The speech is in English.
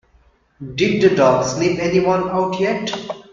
Did the dog sniff anyone out yet?